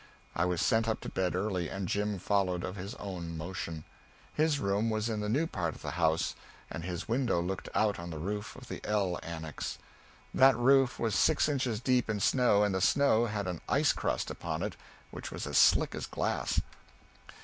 I was sent up to bed early, and Jim followed of his own motion. His room was in the new part of the house, and his window looked out on the roof of the L annex. That roof was six inches deep in snow, and the snow had an ice crust upon it which was as slick as glass.